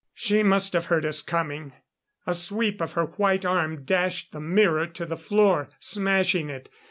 She must have heard us coming. A sweep of her white arm dashed the mirror to the floor, smashing it.